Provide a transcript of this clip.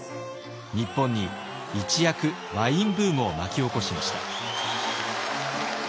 日本に一躍ワインブームを巻き起こしました。